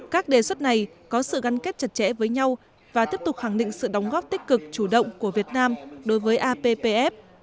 các đề xuất này có sự gắn kết chặt chẽ với nhau và tiếp tục khẳng định sự đóng góp tích cực chủ động của việt nam đối với appf